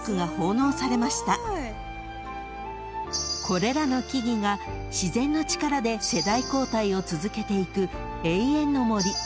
［これらの木々が自然の力で世代交代を続けていく永遠の森］